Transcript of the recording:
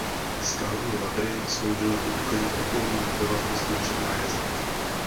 Skalní labyrint sloužil jako úkryt okolnímu obyvatelstvu před nájezdníky.